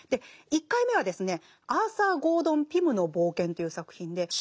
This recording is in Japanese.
１回目は「アーサー・ゴードン・ピムの冒険」という作品で。